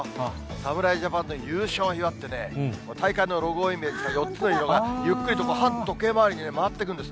侍ジャパンの優勝を祝ってね、大会のロゴをイメージした４つの色がゆっくりと反時計回りに回ってくるんです。